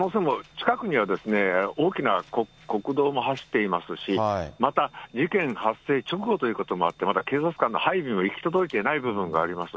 近くには大きな国道も走っていますし、また事件発生直後ということもあって、まだ警察官の配備も行き届いていない部分があります。